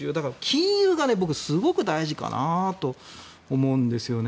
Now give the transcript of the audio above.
金融が僕、すごく大事かなと思うんですよね。